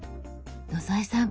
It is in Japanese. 野添さん